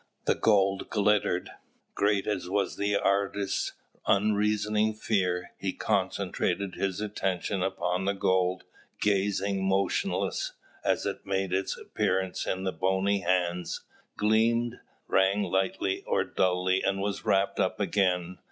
The gold glittered. Great as was the artist's unreasoning fear, he concentrated all his attention upon the gold, gazing motionless, as it made its appearance in the bony hands, gleamed, rang lightly or dully, and was wrapped up again.